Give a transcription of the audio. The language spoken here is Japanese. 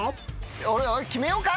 俺決めようか？